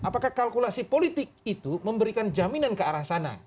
apakah kalkulasi politik itu memberikan jaminan ke arah sana